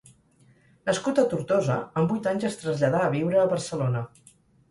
Nascut a Tortosa, amb vuit anys es traslladà a viure a Barcelona.